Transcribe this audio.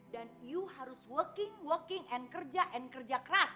dan ibu harus working working and kerja and kerja keras